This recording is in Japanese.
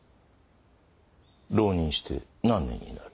浪人して何年になる？